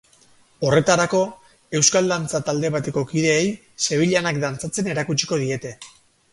Horretarako, euskal dantza talde bateko kideei sevillanak dantzatzen erakutsiko diete.